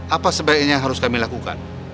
apa sebaiknya yang harus kami lakukan